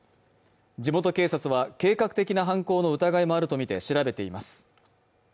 地元警察は計画的な犯行の疑いもあるとみて調べています